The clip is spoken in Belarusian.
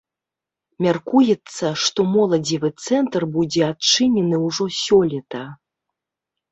Мяркуецца, што моладзевы цэнтр будзе адчынены ўжо сёлета.